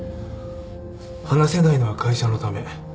話せないのは会社のため。